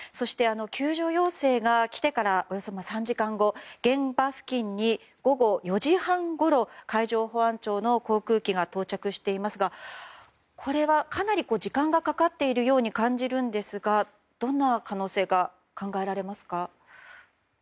救助要請が来てからおよそ３時間後現場付近に午後４時半ごろ海上保安庁の航空機が到着していますがかなり時間がかかっているように感じるんですが、どんな可能性が考えられますか？